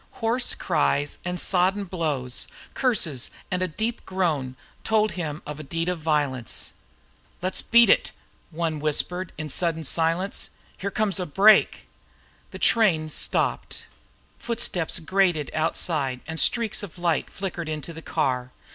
Hoarse cries and sodden blows, curses, and a deep groan told of a deed of violence. "Let's beat it," whispered one, in the sudden silence. "Here comes a brake." The train had stopped. Footsteps grated outside, and streaks of light flickered into the car.